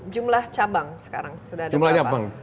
jumlah cabang sekarang sudah ada berapa